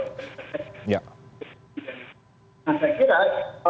saya kira jokowi sudah memberikan sinyal kewakilan